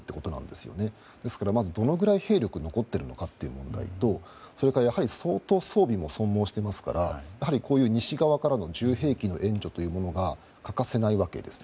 ですから、どのくらい兵力が残っているのかという問題とそれから、相当装備も消耗していますから西側からの重兵器の援助が欠かせないわけです。